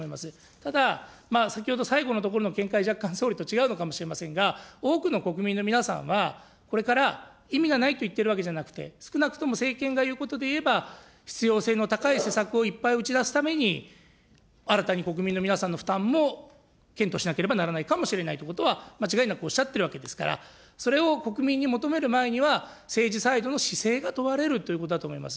ただ、先ほど最後のところの見解、若干総理と違うのかもしれませんが、多くの国民の皆さんは、これから意味がないと言ってるわけじゃなくて、少なくとも政権がいうことでいえば、必要性の高い施策をいっぱい打ち出すために、新たに国民の皆さんの負担も検討しなければならないということは、間違いなくおっしゃってるわけですから、それを国民に求める前には、政治サイドの姿勢が問われるということだと思います。